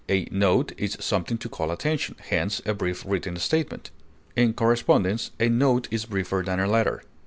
A note is something to call attention, hence a brief written statement; in correspondence, a note is briefer than a letter.